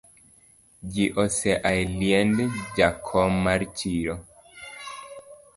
Ji osea eliend jakom mar chiro